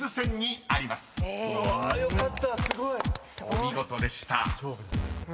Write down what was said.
［お見事でした］